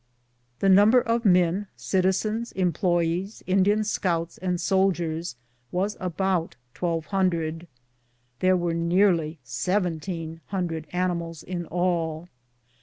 The number of men, citizens, employes, Indian scouts, and soldiers was about twelve hundred. There were nearly seventeen hundred animals in all.